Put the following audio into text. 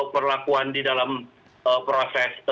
perlakuan di dalam proses